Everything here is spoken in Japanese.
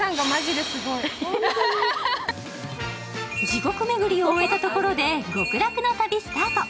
地獄巡りを終えたところで極楽の旅スタート。